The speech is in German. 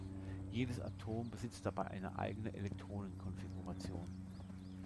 Jedes Atom besitzt dabei eine eigene Elektronenkonfiguration.